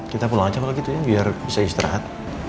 kita pulang aja kalau gitu ya biar bisa istirahat